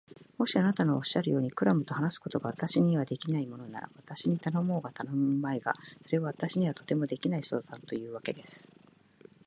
もしあなたのおっしゃるように、クラムと話すことが私にはできないものなら、私に頼もうが頼むまいが、それは私にはとてもできない相談というわけです。